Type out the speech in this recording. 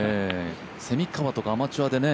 蝉川とかアマチュアでね。